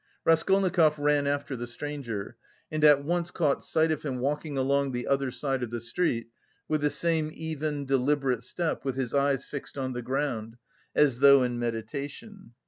Raskolnikov ran after the stranger, and at once caught sight of him walking along the other side of the street with the same even, deliberate step with his eyes fixed on the ground, as though in meditation.